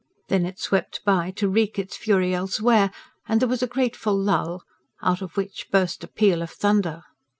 Then it swept by to wreak its fury elsewhere, and there was a grateful lull out of which burst a peal of thunder.